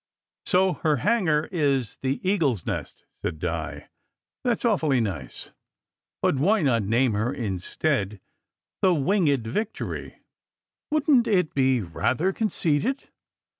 " So her hangar is The Eagle s Nest, " said Di. " That s awfully nice. But why not name her instead the Winged Victory?" "Wouldn t it be rather conceited?"